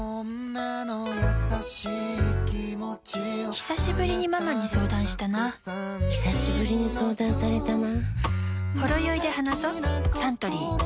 ひさしぶりにママに相談したなひさしぶりに相談されたな